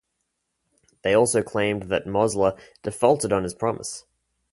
They also claimed that Mosler defaulted on his promise.